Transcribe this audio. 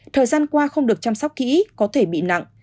thời gian qua không được chăm sóc kỹ có thể bị nặng